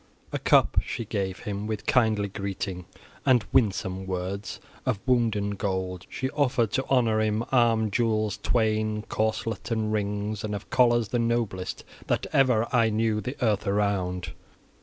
XVIII A CUP she gave him, with kindly greeting and winsome words. Of wounden gold, she offered, to honor him, arm jewels twain, corselet and rings, and of collars the noblest that ever I knew the earth around.